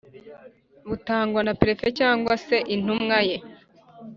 butangwa na prefe cg se intumwaye